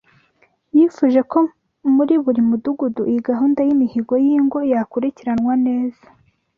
Yifuje ko muri buri mudugudu iyi gahunda y’imihigo y’ingo yakurikiranwa neza